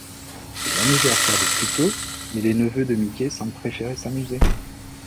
C'est l'anniversaire de Pluto mais les neveux de Mickey semblent préférer s'amuser.